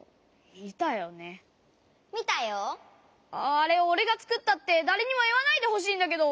あれおれがつくったってだれにもいわないでほしいんだけど！